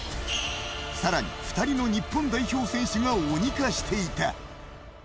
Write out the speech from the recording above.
更に、２人の日本代表選手が鬼化していた。